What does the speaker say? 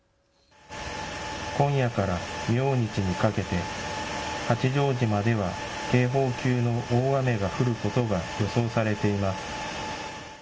今夜から明日にかけて八丈島では警報級の大雨が降ることが予想されています。